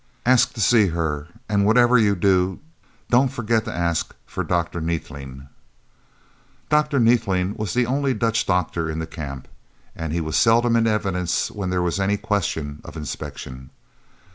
Ask to see her, and whatever you do, don't forget to ask for Dr. Neethling." Dr. Neethling was the only Dutch doctor in the Camp, and he was seldom in evidence when there was any question of inspection.